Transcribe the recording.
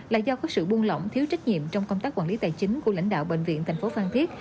là do có sự buông lỏng thiếu trách nhiệm trong công tác quản lý tài chính của lãnh đạo bệnh viện thành phố phan thiết